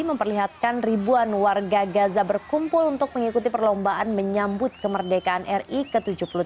memperlihatkan ribuan warga gaza berkumpul untuk mengikuti perlombaan menyambut kemerdekaan ri ke tujuh puluh tiga